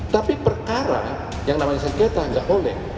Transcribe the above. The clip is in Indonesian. tapi perkara yang namanya sengketa nggak boleh